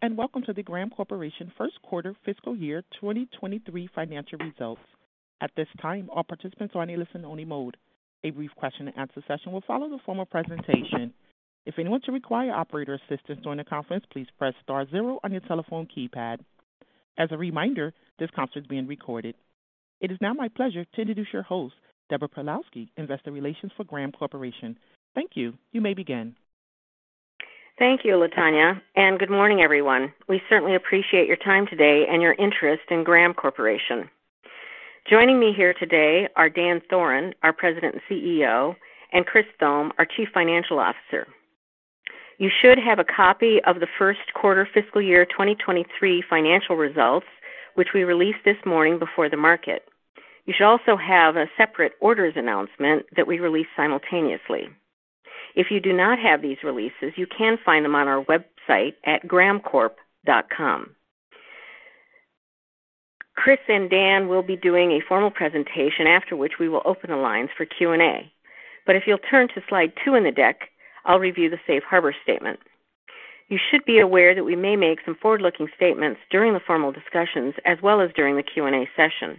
Greetings, welcome to the Graham Corporation first quarter fiscal year 2023 financial results. At this time, all participants are in a listen-only mode. A brief question and answer session will follow the formal presentation. If anyone should require operator assistance during the conference, please press star zero on your telephone keypad. As a reminder, this conference is being recorded. It is now my pleasure to introduce your host, Deborah Pawlowski, Investor Relations for Graham Corporation. Thank you. You may begin. Thank you, Latonya, and good morning, everyone. We certainly appreciate your time today and your interest in Graham Corporation. Joining me here today are Dan Thoren, our President and CEO, and Chris Thome, our Chief Financial Officer. You should have a copy of the first quarter fiscal year 2023 financial results, which we released this morning before the market. You should also have a separate orders announcement that we released simultaneously. If you do not have these releases, you can find them on our website at grahamcorp.com. Chris and Dan will be doing a formal presentation, after which we will open the lines for Q&A. If you'll turn to Slide 2 in the deck, I'll review the Safe Harbor statement. You should be aware that we may make some forward-looking statements during the formal discussions as well as during the Q&A session.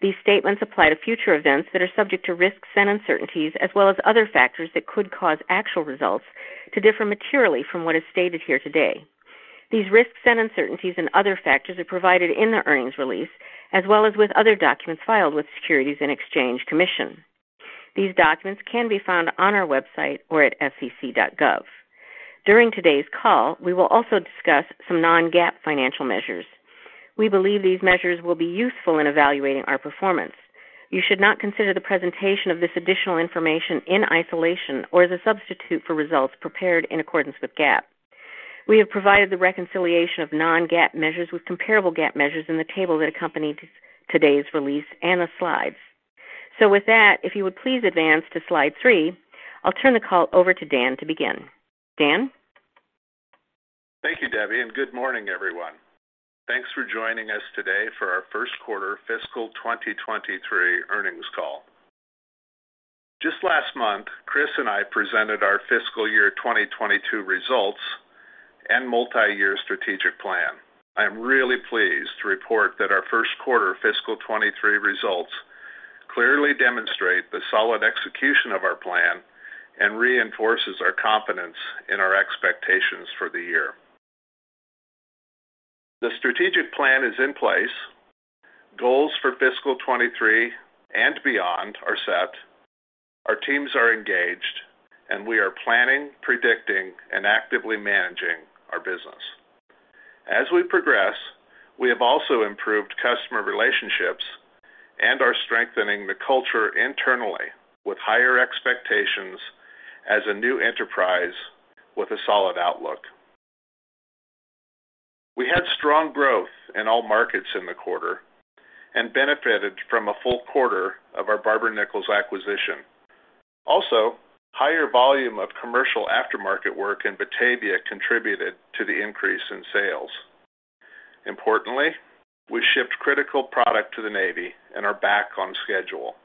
These statements apply to future events that are subject to risks and uncertainties as well as other factors that could cause actual results to differ materially from what is stated here today. These risks and uncertainties and other factors are provided in the earnings release as well as with other documents filed with Securities and Exchange Commission. These documents can be found on our website or at sec.gov. During today's call, we will also discuss some non-GAAP financial measures. We believe these measures will be useful in evaluating our performance. You should not consider the presentation of this additional information in isolation or as a substitute for results prepared in accordance with GAAP. We have provided the reconciliation of non-GAAP measures with comparable GAAP measures in the table that accompanied today's release and the slides. With that, if you would please advance to Slide 3, I'll turn the call over to Dan to begin. Dan? Thank you, Debbie, and good morning, everyone. Thanks for joining us today for our first quarter fiscal 2023 earnings call. Just last month, Chris and I presented our fiscal year 2022 results and multi-year strategic plan. I am really pleased to report that our first quarter fiscal 2023 results clearly demonstrate the solid execution of our plan and reinforces our confidence in our expectations for the year. The strategic plan is in place. Goals for fiscal 2023 and beyond are set. Our teams are engaged, and we are planning, predicting, and actively managing our business. As we progress, we have also improved customer relationships and are strengthening the culture internally with higher expectations as a new enterprise with a solid outlook. We had strong growth in all markets in the quarter and benefited from a full quarter of our Barber-Nichols acquisition. Also, higher volume of commercial aftermarket work in Batavia contributed to the increase in sales. Importantly, we shipped critical product to the Navy and are back on schedule.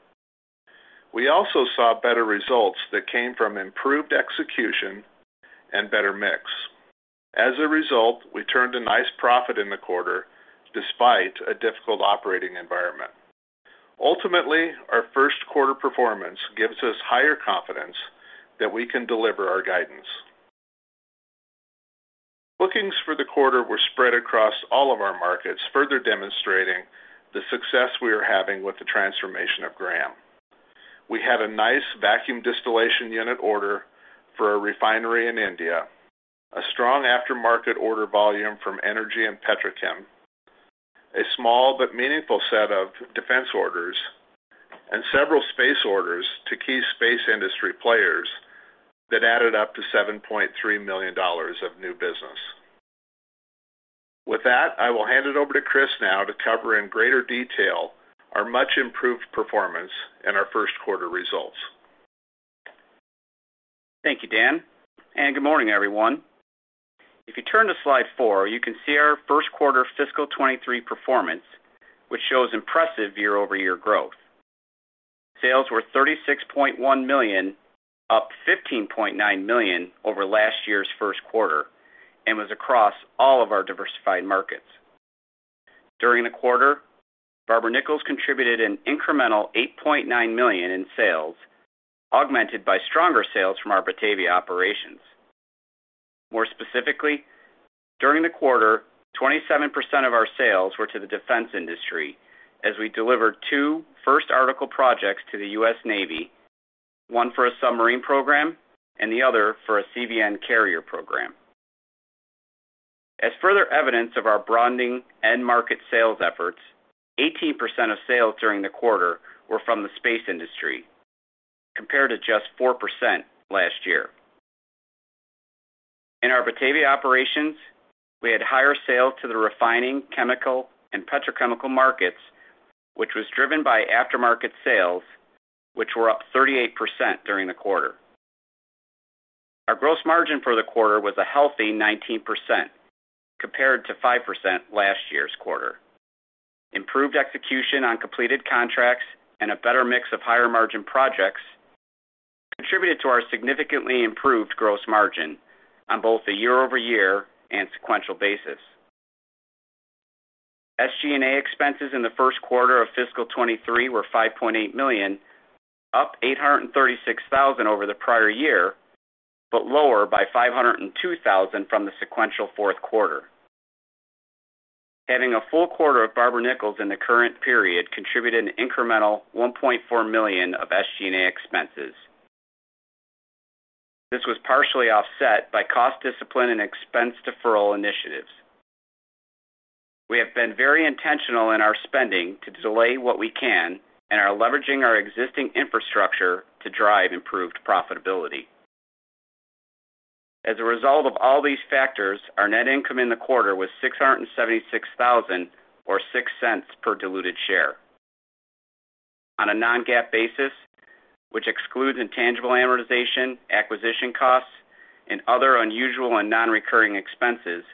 We also saw better results that came from improved execution and better mix. As a result, we turned a nice profit in the quarter despite a difficult operating environment. Ultimately, our first quarter performance gives us higher confidence that we can deliver our guidance. Bookings for the quarter were spread across all of our markets, further demonstrating the success we are having with the transformation of Graham. We had a nice vacuum distillation unit order for a refinery in India, a strong aftermarket order volume from Energy and Petrochem, a small but meaningful set of defense orders, and several space orders to key space industry players that added up to $7.3 million of new business. With that, I will hand it over to Chris now to cover in greater detail our much-improved performance and our first quarter results. Thank you, Dan, and good morning, everyone. If you turn to Slide 4, you can see our first quarter fiscal 2023 performance, which shows impressive year-over-year growth. Sales were $36.1 million, up $15.9 million over last year's first quarter and was across all of our diversified markets. During the quarter, Barber-Nichols contributed an incremental $8.9 million in sales, augmented by stronger sales from our Batavia operations. More specifically, during the quarter, 27% of our sales were to the defense industry as we delivered two first article projects to the U.S. Navy, one for a submarine program and the other for a CVN carrier program. As further evidence of our broadening end market sales efforts, 18% of sales during the quarter were from the space industry, compared to just 4% last year. In our Batavia operations, we had higher sales to the refining, chemical, and petrochemical markets, which was driven by aftermarket sales, which were up 38% during the quarter. Our gross margin for the quarter was a healthy 19%, compared to 5% last year's quarter. Improved execution on completed contracts and a better mix of higher-margin projects contributed to our significantly improved gross margin on both a year-over-year and sequential basis. SG&A expenses in the first quarter of fiscal 2023 were $5.8 million, up $836,000 over the prior year, but lower by $502,000 from the sequential fourth quarter. Having a full quarter of Barber-Nichols in the current period contributed an incremental $1.4 million of SG&A expenses. This was partially offset by cost discipline and expense deferral initiatives. We have been very intentional in our spending to delay what we can and are leveraging our existing infrastructure to drive improved profitability. As a result of all these factors, our net income in the quarter was $676,000 or $0.06 per diluted share. On a non-GAAP basis, which excludes intangible amortization, acquisition costs, and other unusual and non-recurring expenses,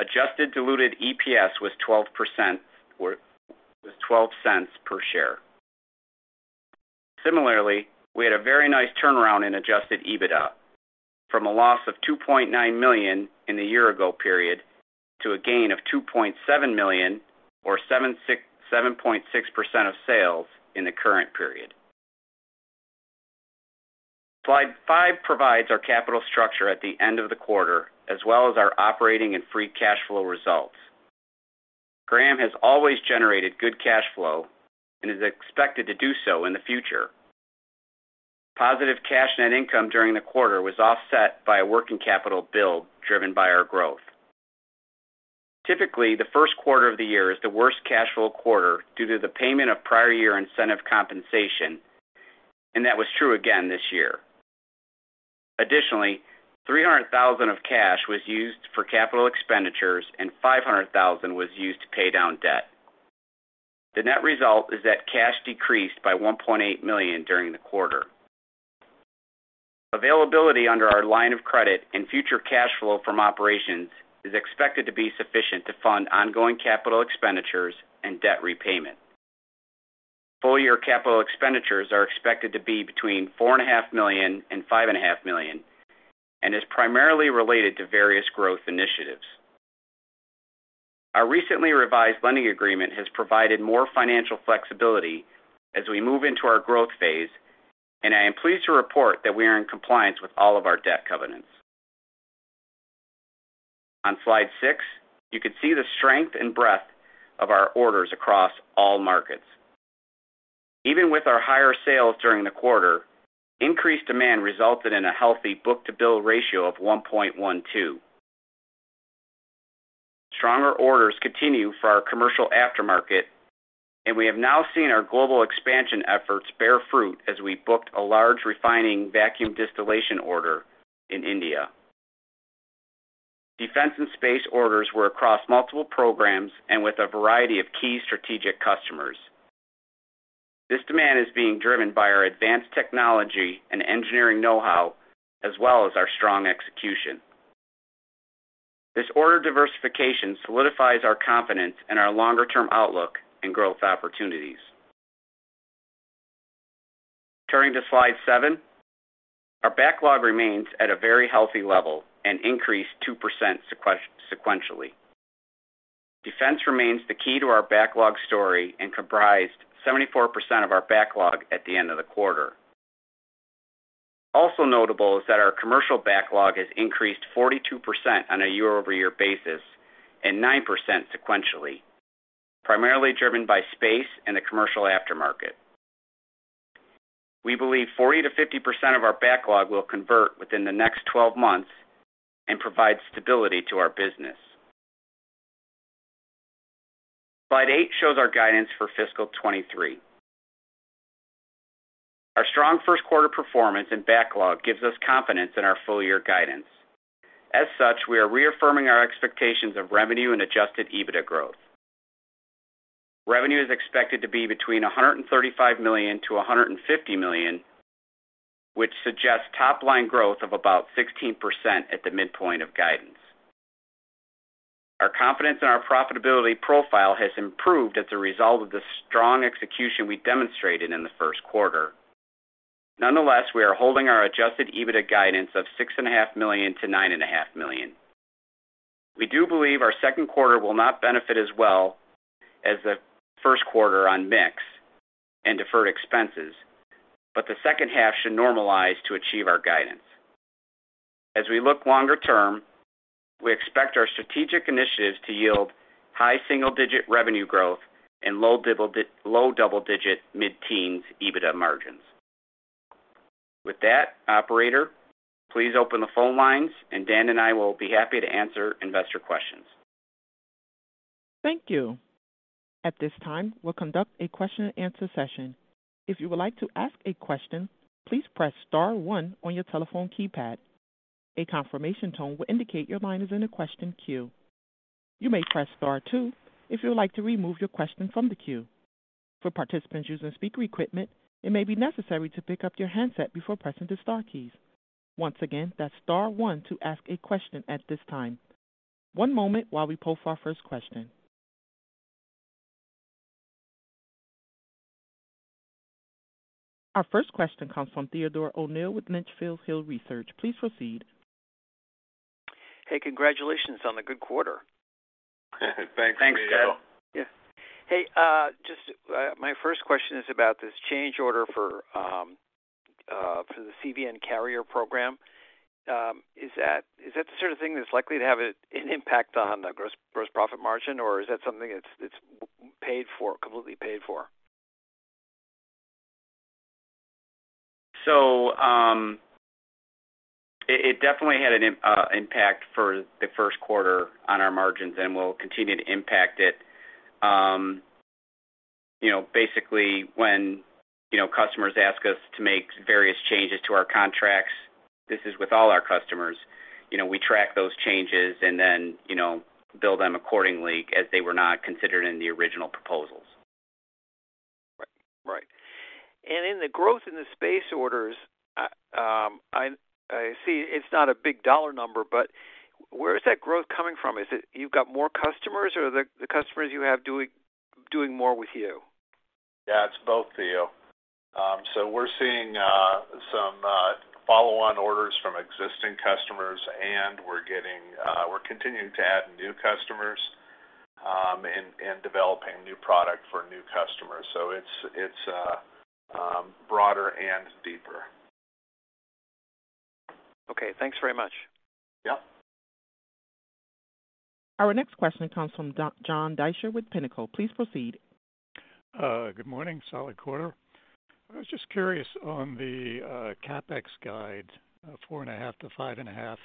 adjusted diluted EPS was $0.12 per share. Similarly, we had a very nice turnaround in adjusted EBITDA from a loss of $2.9 million in the year ago period to a gain of $2.7 million or 7.6% of sales in the current period. Slide 5 provides our capital structure at the end of the quarter, as well as our operating and free cash flow results. Graham has always generated good cash flow and is expected to do so in the future. Positive cash net income during the quarter was offset by a working capital build driven by our growth. Typically, the first quarter of the year is the worst cash flow quarter due to the payment of prior year incentive compensation, and that was true again this year. Additionally, $300,000 of cash was used for capital expenditures and $500,000 was used to pay down debt. The net result is that cash decreased by $1.8 million during the quarter. Availability under our line of credit and future cash flow from operations is expected to be sufficient to fund ongoing capital expenditures and debt repayment. Full year capital expenditures are expected to be between $4.5 million and $5.5 million, and is primarily related to various growth initiatives. Our recently revised lending agreement has provided more financial flexibility as we move into our growth phase, and I am pleased to report that we are in compliance with all of our debt covenants. On Slide 6, you can see the strength and breadth of our orders across all markets. Even with our higher sales during the quarter, increased demand resulted in a healthy book-to-bill ratio of 1.12. Stronger orders continue for our commercial aftermarket, and we have now seen our global expansion efforts bear fruit as we booked a large refining vacuum distillation order in India. Defense and space orders were across multiple programs and with a variety of key strategic customers. This demand is being driven by our advanced technology and engineering know-how, as well as our strong execution. This order diversification solidifies our confidence in our longer term outlook and growth opportunities. Turning to Slide 7. Our backlog remains at a very healthy level and increased 2% sequentially. Defense remains the key to our backlog story and comprised 74% of our backlog at the end of the quarter. Also notable is that our commercial backlog has increased 42% on a year-over-year basis and 9% sequentially, primarily driven by space and the commercial aftermarket. We believe 40%-50% of our backlog will convert within the next 12 months and provide stability to our business. Slide 8 shows our guidance for fiscal 2023. Our strong first quarter performance and backlog gives us confidence in our full year guidance. As such, we are reaffirming our expectations of revenue and adjusted EBITDA growth. Revenue is expected to be between $135 million-$150 million, which suggests top line growth of about 16% at the midpoint of guidance. Our confidence in our profitability profile has improved as a result of the strong execution we demonstrated in the first quarter. Nonetheless, we are holding our adjusted EBITDA guidance of $6.5 million-$9.5 million. We do believe our second quarter will not benefit as well as the first quarter on mix and deferred expenses, but the second half should normalize to achieve our guidance. As we look longer term, we expect our strategic initiatives to yield high single-digit revenue growth and low double-digit mid-teens EBITDA margins. With that, operator, please open the phone lines and Dan and I will be happy to answer investor questions. Thank you. At this time, we'll conduct a question and answer session. If you would like to ask a question, please press star one on your telephone keypad. A confirmation tone will indicate your line is in the question queue. You may press star two if you would like to remove your question from the queue. For participants using speaker equipment, it may be necessary to pick up your handset before pressing the star keys. Once again, that's star one to ask a question at this time. One moment while we poll for our first question. Our first question comes from Theodore O'Neill with Litchfield Hills Research. Please proceed. Hey, congratulations on the good quarter. Thanks, Theo. Yeah. Hey, just, my first question is about this change order for the CVN carrier program. Is that the sort of thing that's likely to have an impact on the gross profit margin, or is that something that's paid for, completely paid for? It definitely had an impact for the first quarter on our margins and will continue to impact it. You know, basically when you know customers ask us to make various changes to our contracts, this is with all our customers, you know, we track those changes and then you know bill them accordingly as they were not considered in the original proposals. Right. In the growth in the space orders, I see it's not a big dollar number, but where is that growth coming from? Is it you've got more customers or the customers you have doing more with you? Yeah, it's both, Theodore. We're seeing some follow-on orders from existing customers, and we're continuing to add new customers, and developing new product for new customers. It's broader and deeper. Okay, thanks very much. Yeah. Our next question comes from John Deysher with Pinnacle. Please proceed. Good morning. Solid quarter. I was just curious on the CapEx guide, $4.5-$5.5.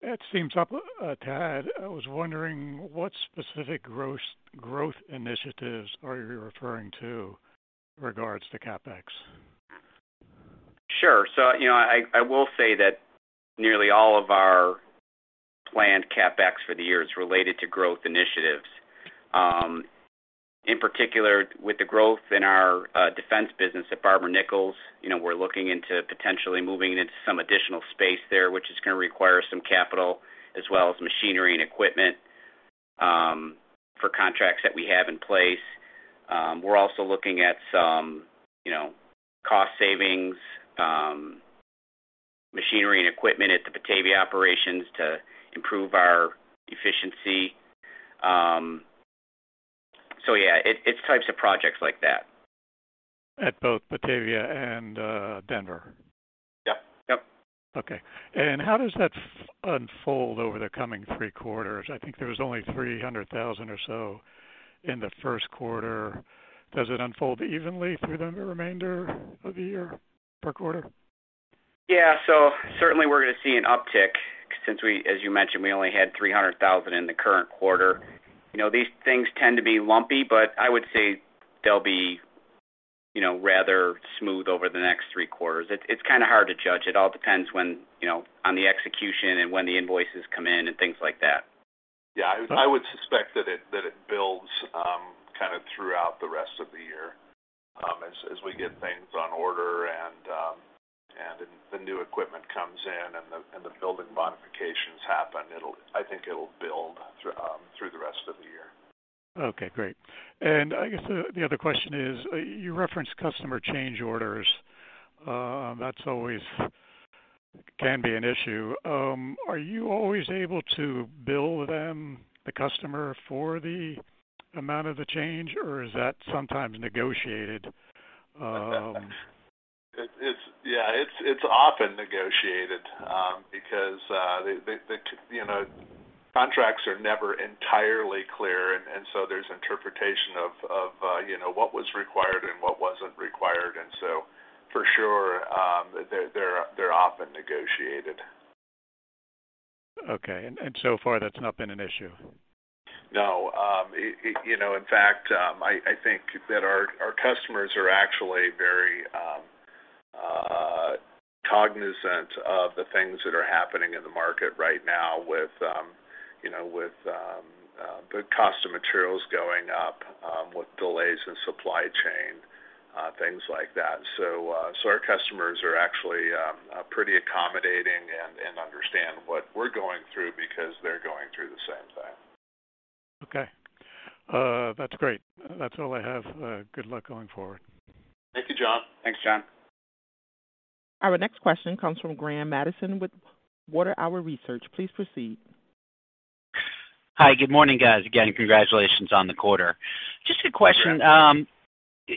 It seems up a tad. I was wondering what specific gross growth initiatives are you referring to regards to CapEx? Sure. You know, I will say that nearly all of our planned CapEx for the year is related to growth initiatives. In particular with the growth in our defense business at Barber-Nichols, you know, we're looking into potentially moving into some additional space there, which is gonna require some capital as well as machinery and equipment for contracts that we have in place. We're also looking at some you know cost savings machinery and equipment at the Batavia operations to improve our efficiency. Yeah, it's types of projects like that. At both Batavia and Denver. Yeah. Yep. Okay. How does that unfold over the coming three quarters? I think there was only $300,000 or so in the first quarter. Does it unfold evenly through the remainder of the year per quarter? Yeah. Certainly we're gonna see an uptick since we, as you mentioned, we only had $300,000 in the current quarter. You know, these things tend to be lumpy, but I would say they'll be, you know, rather smooth over the next three quarters. It, it's kind of hard to judge. It all depends when, you know, on the execution and when the invoices come in and things like that. Yeah. I would suspect that it builds kind of throughout the rest of the year, as we get things on order and the new equipment comes in and the building modifications happen. I think it'll build through the rest of the year. Okay, great. I guess the other question is, you referenced customer change orders. That can always be an issue. Are you always able to bill them, the customer for the amount of the change, or is that sometimes negotiated? It's often negotiated because the you know contracts are never entirely clear and so there's interpretation of you know what was required and what wasn't required. For sure, they're often negotiated. Okay. So far that's not been an issue? No. You know, in fact, I think that our customers are actually very cognizant of the things that are happening in the market right now with you know with the cost of materials going up with delays in supply chain things like that. Our customers are actually pretty accommodating and understand what we're going through because they're going through the same thing. Okay. That's great. That's all I have. Good luck going forward. Thank you, John. Thanks, John. Our next question comes from Graham Mattison with Water Tower Research. Please proceed. Hi. Good morning, guys. Again, congratulations on the quarter. Thanks, Graham. Just a question.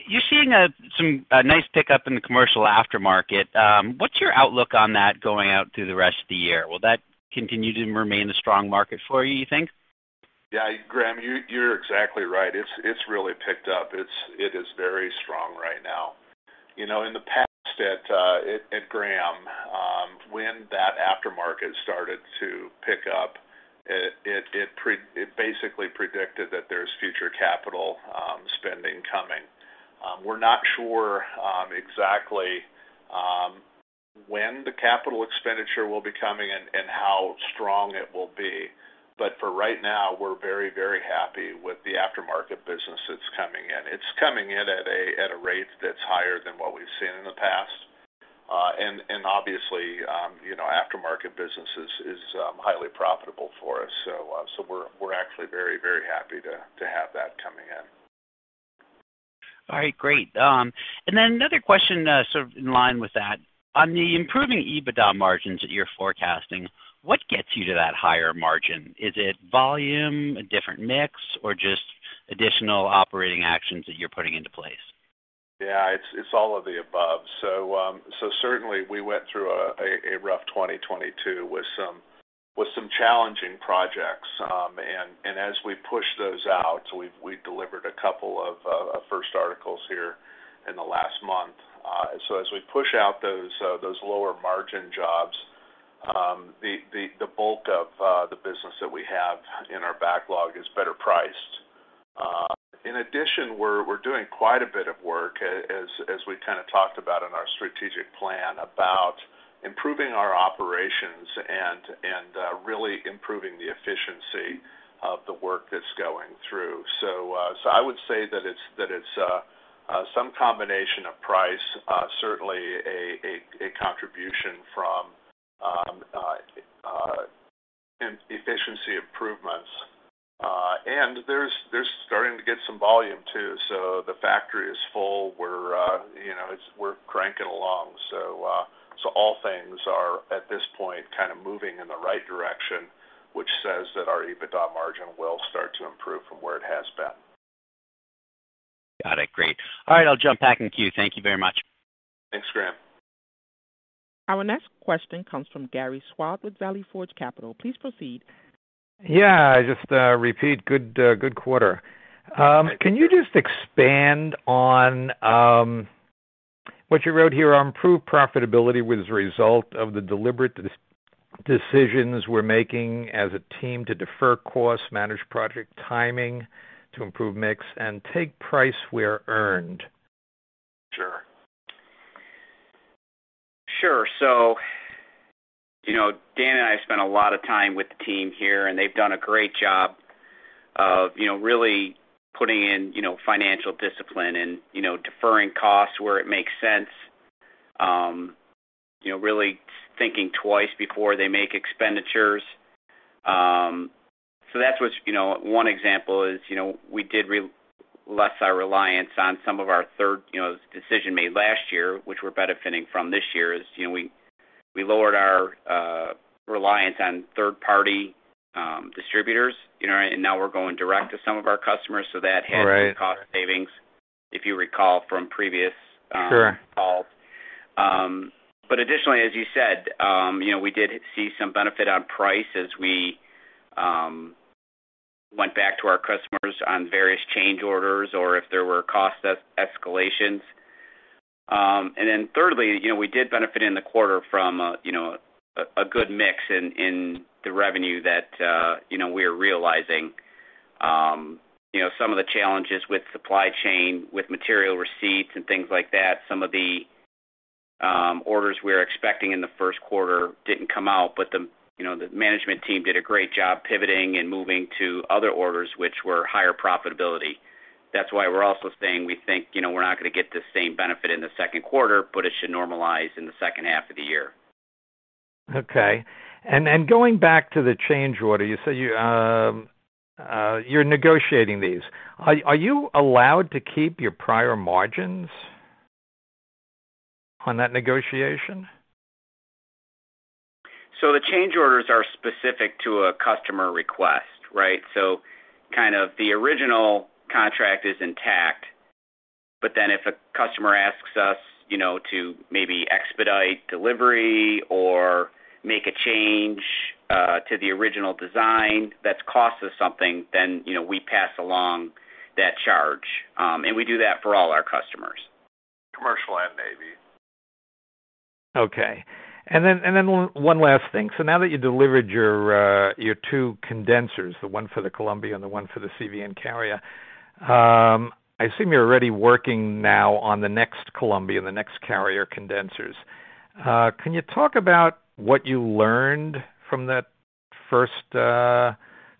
You're seeing some nice pickup in the commercial aftermarket. What's your outlook on that going out through the rest of the year? Will that continue to remain a strong market for you think? Yeah, Graham, you're exactly right. It's really picked up. It is very strong right now. You know, in the past at Graham, when that aftermarket started to pick up, it basically predicted that there's future capital spending coming. We're not sure exactly when the capital expenditure will be coming and how strong it will be. For right now, we're very happy with the aftermarket business that's coming in. It's coming in at a rate that's higher than what we've seen in the past. And obviously, you know, aftermarket business is highly profitable for us. We're actually very happy to have that coming in. All right, great. Another question, sort of in line with that. On the improving EBITDA margins that you're forecasting, what gets you to that higher margin? Is it volume, a different mix, or just additional operating actions that you're putting into place? Yeah, it's all of the above. Certainly we went through a rough 2022 with some challenging projects. As we push those out, we've delivered a couple of first articles here in the last month. As we push out those lower margin jobs, the bulk of the business that we have in our backlog is better priced. In addition, we're doing quite a bit of work as we kinda talked about in our strategic plan about improving our operations and really improving the efficiency of the work that's going through. I would say that it's some combination of price. Certainly a contribution from efficiency improvements. There's starting to get some volume too, so the factory is full. We're, you know, cranking along. All things are, at this point, kind of moving in the right direction, which says that our EBITDA margin will start to improve from where it has been. Got it. Great. All right, I'll jump back in the queue. Thank you very much. Thanks, Graham. Our next question comes from Gary Schwab with Valley Forge Capital. Please proceed. Yeah. Just to repeat, good quarter. Can you just expand on what you wrote here on improved profitability was a result of the deliberate decisions we're making as a team to defer costs, manage project timing, to improve mix and take price we've earned? Sure. Sure. You know, Dan and I spent a lot of time with the team here, and they've done a great job of, you know, really putting in, you know, financial discipline and, you know, deferring costs where it makes sense. You know, really thinking twice before they make expenditures. You know, one example is. You know, decision made last year, which we're benefiting from this year, is, you know, we lowered our reliance on third party distributors. You know, and now we're going direct to some of our customers, so that has. Right. cost savings, if you recall from previous Sure. Additionally, as you said, you know, we did see some benefit on price as we went back to our customers on various change orders or if there were cost escalations. Then thirdly, you know, we did benefit in the quarter from, you know, a good mix in the revenue that, you know, we are realizing. You know, some of the challenges with supply chain, with material receipts and things like that, some of the orders we're expecting in the first quarter didn't come out. The management team did a great job pivoting and moving to other orders which were higher profitability. That's why we're also saying we think, you know, we're not gonna get the same benefit in the second quarter, but it should normalize in the second half of the year. Okay. Then going back to the change order, you say you're negotiating these. Are you allowed to keep your prior margins on that negotiation? The change orders are specific to a customer request, right? Kind of the original contract is intact. If a customer asks us, you know, to maybe expedite delivery or make a change, to the original design that costs us something, then, you know, we pass along that charge. We do that for all our customers. Commercial and Navy. One last thing. Now that you delivered your two condensers, the one for the Columbia and the one for the CVN carrier, I assume you're already working now on the next Columbia and the next carrier condensers. Can you talk about what you learned from that first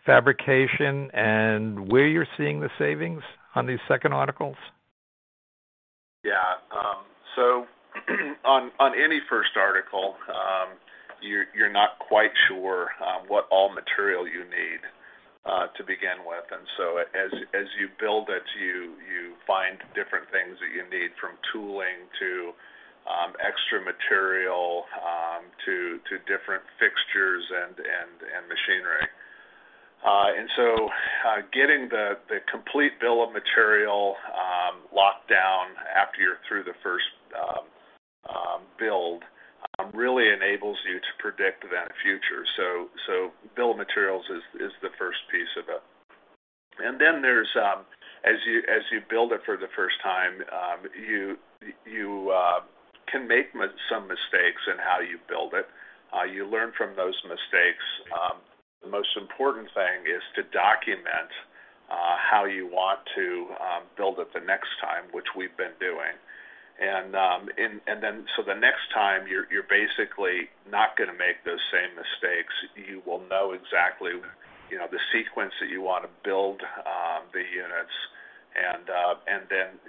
fabrication and where you're seeing the savings on these second articles? Yeah. So on any first article, you're not quite sure what all material you need to begin with. As you build it, you find different things that you need from tooling to extra material to different fixtures and machinery. Getting the complete bill of materials locked down after you're through the first build really enables you to predict that future. Bill of materials is the first piece of it. As you build it for the first time, you can make some mistakes in how you build it. You learn from those mistakes. The most important thing is to document how you want to build it the next time, which we've been doing. The next time you're basically not gonna make those same mistakes. You will know exactly, you know, the sequence that you wanna build.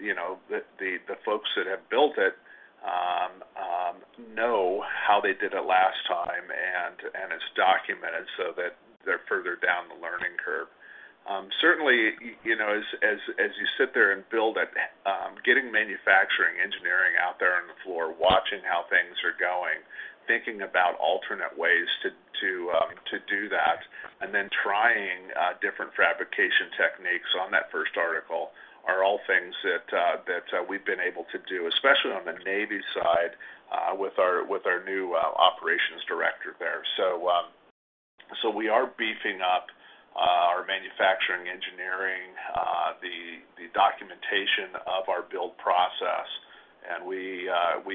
You know, the folks that have built it know how they did it last time and it's documented so that they're further down the learning curve. Certainly, you know, as you sit there and build it, getting manufacturing engineering out there on the floor, watching how things are going, thinking about alternate ways to do that, and then trying different fabrication techniques on that first article are all things that we've been able to do, especially on the Navy side, with our new operations director there. We are beefing up our manufacturing engineering, the documentation of our build process. We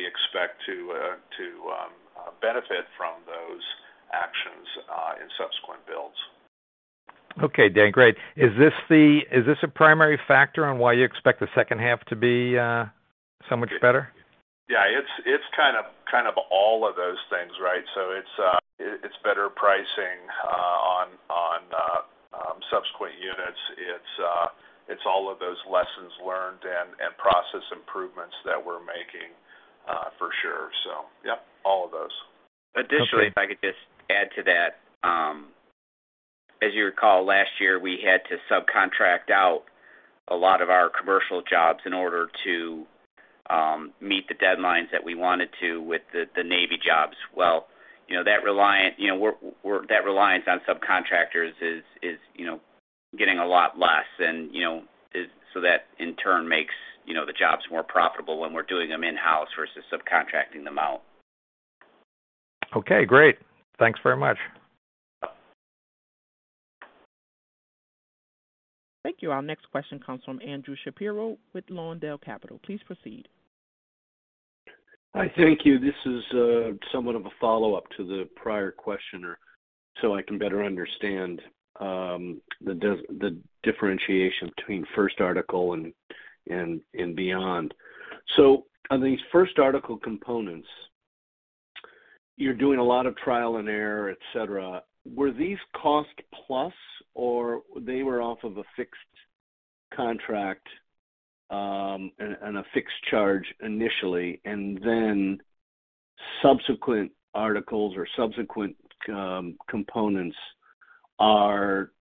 expect to benefit from those actions in subsequent builds. Okay, Dan. Great. Is this a primary factor on why you expect the second half to be so much better? Yeah. It's kind of all of those things, right? It's better pricing on subsequent units. It's all of those lessons learned and process improvements that we're making, for sure. Yeah, all of those. Okay. Additionally, if I could just add to that. As you recall, last year, we had to subcontract out a lot of our commercial jobs in order to meet the deadlines that we wanted to with the Navy jobs. Well, you know, that reliance on subcontractors is getting a lot less than is. That in turn makes, you know, the jobs more profitable when we're doing them in-house versus subcontracting them out. Okay, great. Thanks very much. Thank you. Our next question comes from Andrew Shapiro with Lawndale Capital. Please proceed. Hi. Thank you. This is somewhat of a follow-up to the prior questioner, so I can better understand the differentiation between first article and beyond. On these first article components, you're doing a lot of trial and error, et cetera. Were these cost plus, or they were off of a fixed contract, and a fixed charge initially, and then subsequent articles or subsequent components are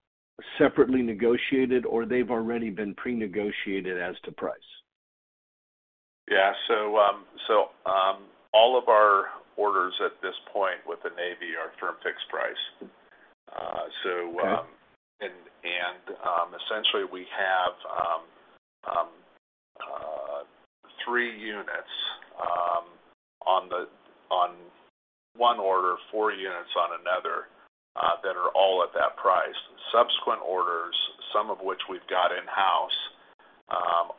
separately negotiated, or they've already been pre-negotiated as to price? Yeah. All of our orders at this point with the Navy are firm-fixed-price. Okay. Essentially we have three units on one order, four units on another, that are all at that price. Subsequent orders, some of which we've got in-house,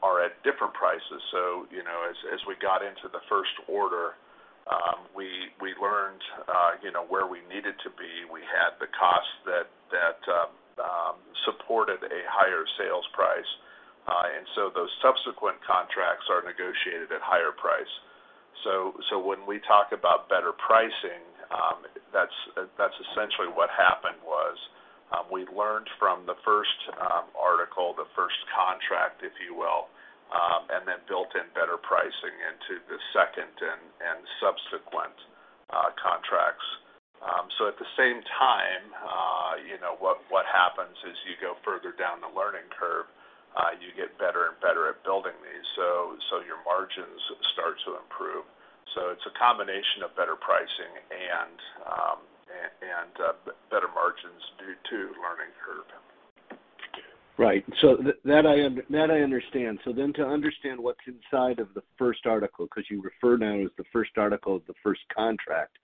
are at different prices. You know, as we got into the first order, we learned where we needed to be. We had the cost that supported a higher sales price. Those subsequent contracts are negotiated at higher price. When we talk about better pricing, that's essentially what happened was, we learned from the first article, the first contract, if you will, and then built in better pricing into the second and subsequent contracts. At the same time, you know, what happens is you go further down the learning curve, you get better and better at building these, so your margins start to improve. It's a combination of better pricing and better margins due to learning curve. Right. That I understand. To understand what's inside of the first article, 'cause you refer now as the first article, the first contract.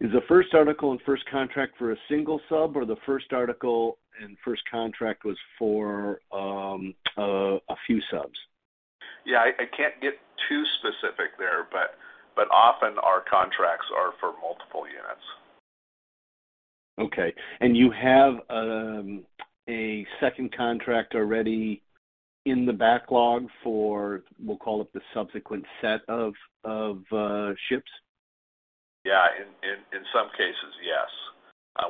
Is the first article and first contract for a single sub or the first article and first contract was for a few subs? Yeah. I can't get too specific there, but often our contracts are for multiple units. Okay. You have a second contract already in the backlog for, we'll call it the subsequent set of ships? Yeah. In some cases, yes.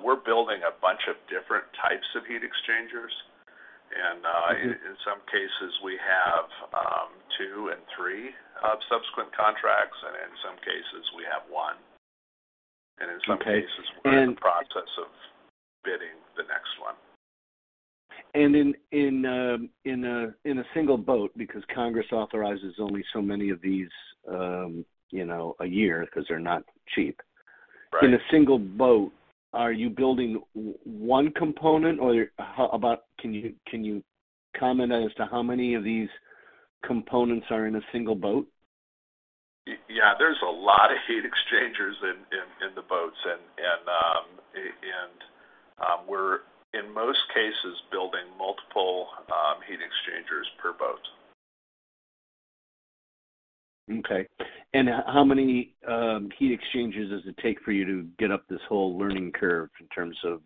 We're building a bunch of different types of heat exchangers. Mm-hmm. In some cases we have two and three of subsequent contracts, and in some cases we have one. Okay. In some cases, we're in the process of bidding the next one. In a single boat, because Congress authorizes only so many of these, you know, a year because they're not cheap. Right. In a single boat, are you building one component, or how about. Can you comment as to how many of these components are in a single boat? Yeah. There's a lot of heat exchangers in the boats and we're in most cases building multiple heat exchangers per boat. Okay. How many heat exchangers does it take for you to get up this whole learning curve in terms of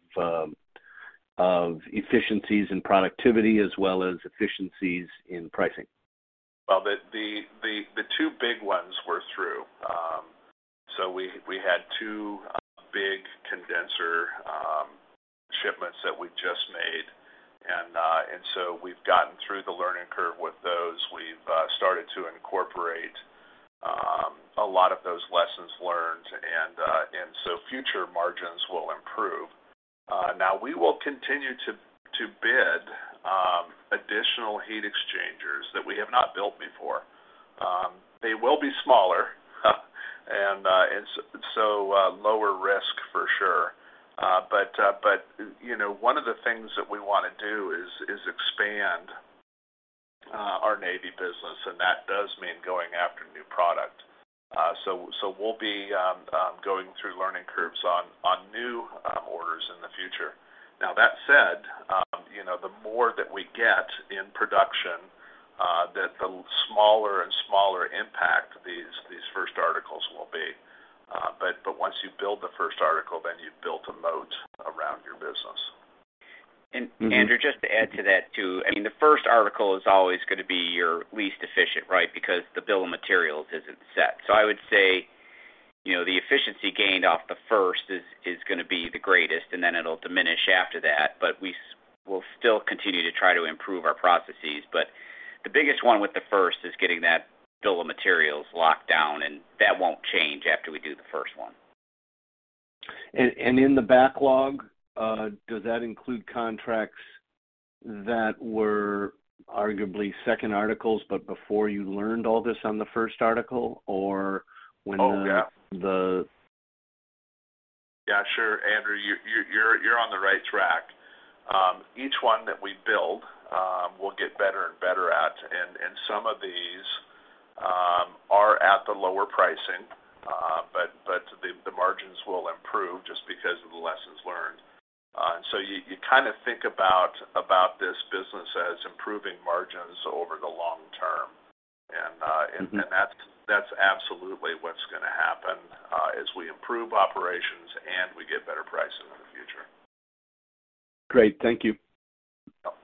efficiencies in productivity as well as efficiencies in pricing? Well, the two big ones we're through. We had two big condenser shipments that we just made. We've gotten through the learning curve with those. We've started to incorporate a lot of those lessons learned, and future margins will improve. Now we will continue to bid additional heat exchangers that we have not built before. They will be smaller, and so lower risk for sure. You know, one of the things that we want to do is expand our Navy business, and that does mean going after new product. We'll be going through learning curves on new orders in the future. Now, that said, you know, the more that we get in production, the smaller and smaller impact these first articles will be. Once you build the first article, then you've built a moat around your business. Andrew, just to add to that too. I mean, the first article is always gonna be your least efficient, right, because the bill of materials isn't set. I would say, you know, the efficiency gained off the first is gonna be the greatest, and then it'll diminish after that. We'll still continue to try to improve our processes. The biggest one with the first is getting that bill of materials locked down, and that won't change after we do the first one. In the backlog, does that include contracts that were arguably second articles, but before you learned all this on the first article, or when the? Oh, yeah.... the- Yeah, sure, Andrew, you're on the right track. Each one that we build, we'll get better and better at. Some of these are at the lower pricing, but the margins will improve just because of the lessons learned. You kind of think about this business as improving margins over the long term. Mm-hmm. That's absolutely what's gonna happen as we improve operations and we get better pricing in the future. Great. Thank you. Yep.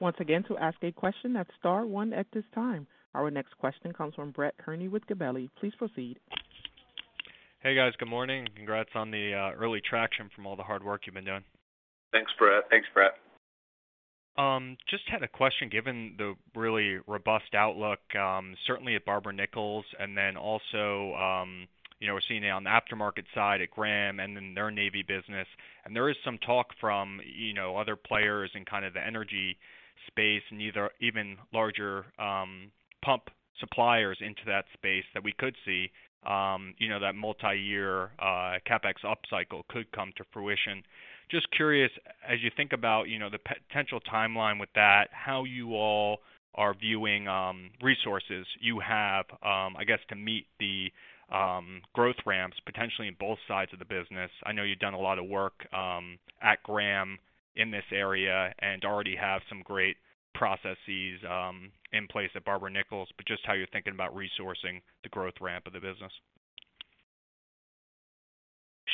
Once again, to ask a question, that's star one at this time. Our next question comes from Brett Kearney with Gabelli. Please proceed. Hey, guys. Good morning. Congrats on the early traction from all the hard work you've been doing. Thanks, Brett. Thanks, Brett. Just had a question, given the really robust outlook, certainly at Barber-Nichols, and then also, you know, we're seeing it on the aftermarket side at Graham and in their Navy business. There is some talk from, you know, other players in kind of the energy space, and these are even larger, pump suppliers into that space that we could see, you know, that multiyear, CapEx upcycle could come to fruition. Just curious, as you think about, you know, the potential timeline with that, how you all are viewing, resources you have, I guess, to meet the, growth ramps potentially in both sides of the business. I know you've done a lot of work at Graham in this area and already have some great processes in place at Barber-Nichols, but just how you're thinking about resourcing the growth ramp of the business?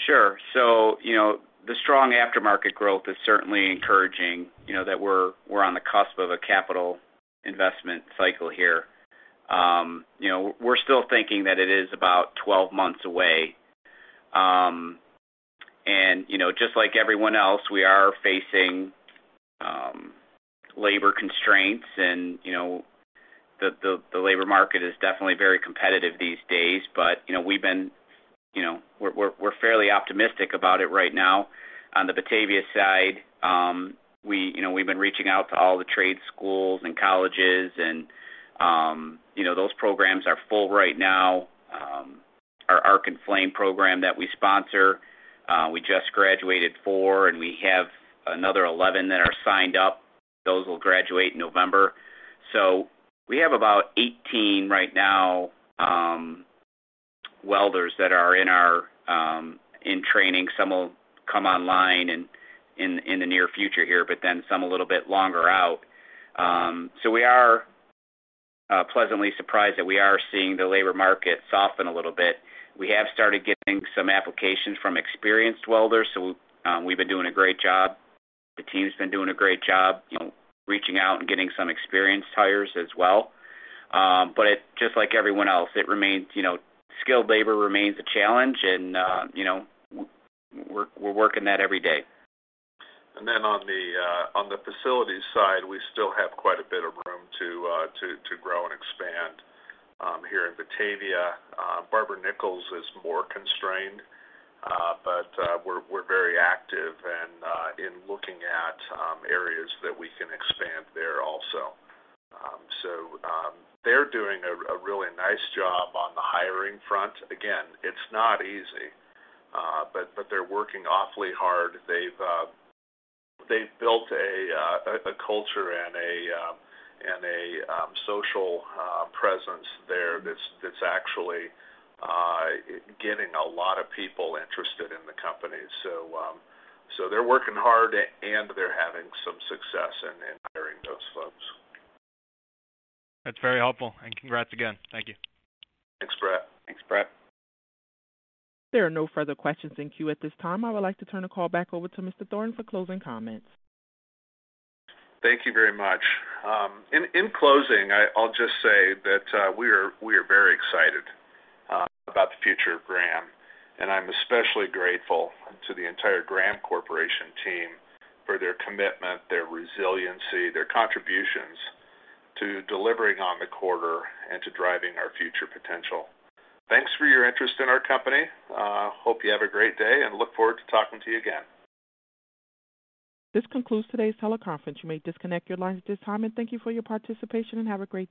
Sure. You know, the strong aftermarket growth is certainly encouraging, you know, that we're on the cusp of a capital investment cycle here. You know, we're still thinking that it is about 12 months away. You know, just like everyone else, we are facing labor constraints and, you know, the labor market is definitely very competitive these days. You know, we've been. You know, we're fairly optimistic about it right now. On the Batavia side, you know, we've been reaching out to all the trade schools and colleges and, you know, those programs are full right now. Our Arc + Flame program that we sponsor, we just graduated four, and we have another 11 that are signed up. Those will graduate in November. We have about 18 right now, welders that are in our training. Some will come online in the near future here, but then some a little bit longer out. We are pleasantly surprised that we are seeing the labor market soften a little bit. We have started getting some applications from experienced welders, so we've been doing a great job. The team's been doing a great job, you know, reaching out and getting some experienced hires as well. But it just like everyone else, it remains, you know, skilled labor remains a challenge and, you know, we're working that every day. On the facilities side, we still have quite a bit of room to grow and expand here in Batavia. Barber-Nichols is more constrained, but we're very active in looking at areas that we can expand there also. They're doing a really nice job on the hiring front. Again, it's not easy, but they're working awfully hard. They've built a culture and a social presence there that's actually getting a lot of people interested in the company. They're working hard, and they're having some success in hiring those folks. That's very helpful. Congrats again. Thank you. Thanks, Brett. Thanks, Brett. There are no further questions in queue at this time. I would like to turn the call back over to Mr. Thoren for closing comments. Thank you very much. In closing, I'll just say that we are very excited about the future of Graham, and I'm especially grateful to the entire Graham Corporation team for their commitment, their resiliency, their contributions to delivering on the quarter and to driving our future potential. Thanks for your interest in our company. Hope you have a great day, and look forward to talking to you again. This concludes today's teleconference. You may disconnect your lines at this time. Thank you for your participation, and have a great day.